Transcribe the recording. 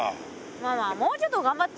まあまあもうちょっと頑張ってよ。